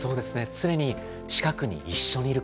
常に近くに一緒にいること。